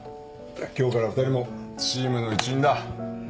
今日から２人もチームの一員だ。